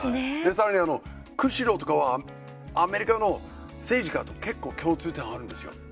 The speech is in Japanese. さらに、釧路とかはアメリカの政治家と結構、共通点あるんですよ。